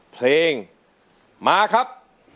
เพลงมาครับ